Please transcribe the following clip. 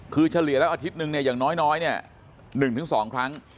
คือเฉลี่ยละอาทิตย์หนึ่งเนี่ยอย่างน้อยเนี่ย๑๒ครั้ง